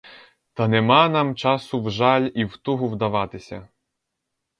Та нема нам часу в жаль і в тугу вдаватися.